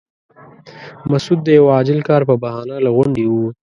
مسعود د یوه عاجل کار په بهانه له غونډې ووت.